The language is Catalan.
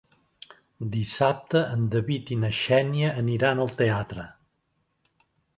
Dissabte en David i na Xènia aniran al teatre.